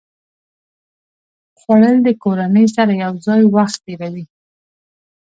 خوړل د کورنۍ سره یو ځای وخت تېروي